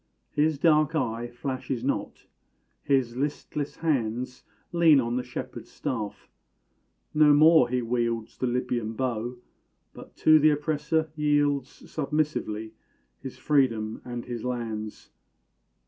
His dark eye flashes not; his listless hands Lean on the shepherd's staff; no more he wields The Libyan bow but to th' oppressor yields Submissively his freedom and his lands.